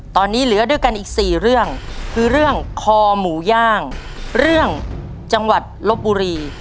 ตอนนี้เหลือด้วยกันอีก๔เรื่องคือเรื่องคอหมูย่างเรื่องจังหวัดลบบุรี